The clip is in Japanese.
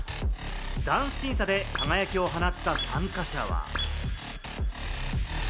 ダンス審査で輝きを放った参加者は。